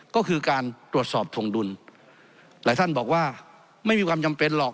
ก็คือการตรวจสอบถงดุลหลายท่านบอกว่าไม่มีความจำเป็นหรอก